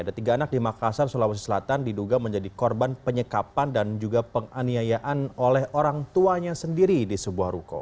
ada tiga anak di makassar sulawesi selatan diduga menjadi korban penyekapan dan juga penganiayaan oleh orang tuanya sendiri di sebuah ruko